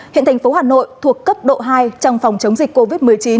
hiện thành phố hà nội thuộc cấp độ hai trong phòng chống dịch covid một mươi chín